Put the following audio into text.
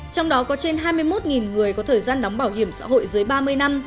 trong đó có trên hai mươi một người có thời gian đóng bảo hiểm xã hội dưới ba mươi năm